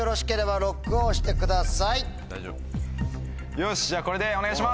よしじゃあこれでお願いします。